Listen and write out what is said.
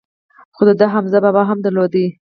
خو ده حمزه بابا هم درلود.